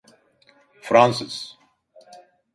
Fransız…